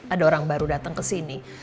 ada orang baru datang kesini